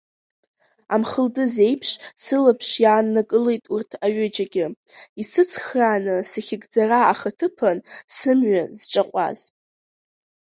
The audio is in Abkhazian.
Амхылдыз еиԥш сылаԥш иааннакылеит урҭ аҩыџьагьы, исыцхрааны сахьыгӡара ахаҭыԥан сымҩа зҿаҟәаз.